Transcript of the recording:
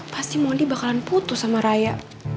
pasti mondi bakalan putus sama raya